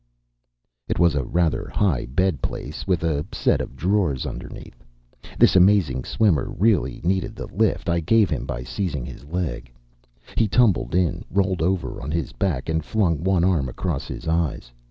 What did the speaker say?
It was a rather high bed place with a set of drawers underneath. This amazing swimmer really needed the lift I gave him by seizing his leg. He tumbled in, rolled over on his back, and flung one arm across his eyes.